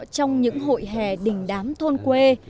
trong những hội hè đình đám thôn quê